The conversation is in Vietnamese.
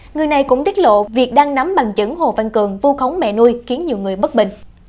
người này cũng tiết lộ việc đang nắm bằng chứng hồ văn cường vu khống mẹ nuôi khiến nhiều người bất bình